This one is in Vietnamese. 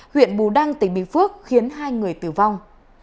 huyện bù đăng tỉnh bình phước khiến hai người tử vong